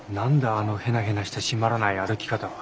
あのへなへなした締まらない歩き方は。